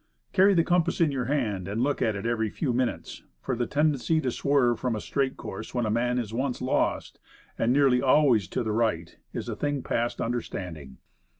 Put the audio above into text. Carry the compass in your hand and look at it every few minutes; for the tendency to swerve from a straight course when a man is once lost and nearly always to the right is a thing past understanding.